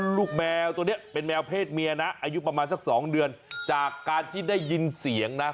แมวตัวนี้เป็นแมวเพศเมียนะอายุประมาณสักสองเดือนจากการที่ได้ยินเสียงนะ